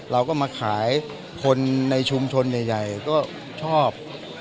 เราก็มาขายคนในชุมชนใหญ่ก็ชอบ